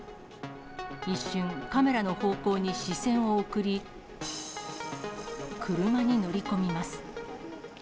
一瞬、カメラの方向に視線を送り、車に乗り込みます。